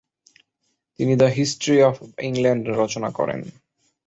তিনি the history of England রচনা করেন।